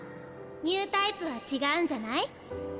ニュータイプは違うんじゃない？